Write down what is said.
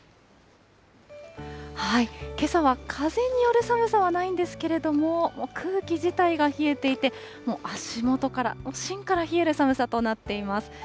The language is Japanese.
けさは風による寒さはないんですけれども、空気自体が冷えていて、足元から、しんから冷える寒さとなっています。